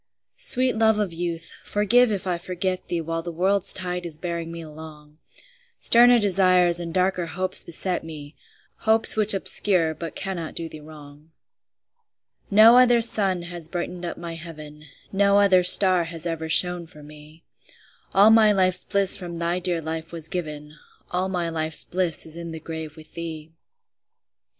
Sweet love of youth, forgive if I forget thee While the world's tide is bearing me along; Sterner desires and darker hopes beset me, Hopes which obscure but cannot do thee wrong. No other sun has brightened up my heaven, No other star has ever shone for me; All my life's bliss from thy dear life was given, All my life's bliss is in the grave with thee.